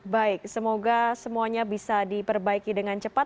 baik semoga semuanya bisa diperbaiki dengan cepat